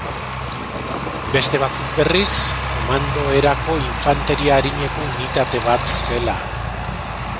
Beste batzuk berriz, komando erako infanteria arineko unitate bat zela.